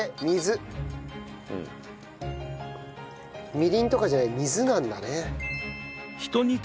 みりんとかじゃない水なんだね。